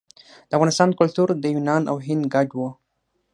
د افغانستان کلتور د یونان او هند ګډ و